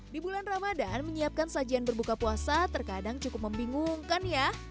di bulan ramadan menyiapkan sajian berbuka puasa terkadang cukup membingungkan ya